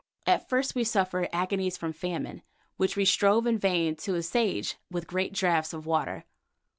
At first we suffered agonies from famine, which we strove in vain to assuage with great draughts of water.